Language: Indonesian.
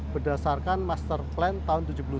berdasarkan master plan tahun tujuh puluh tiga